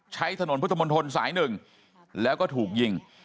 ใช้ถนนพุทธมนธนสายหนึ่งแล้วก็ถูกยิง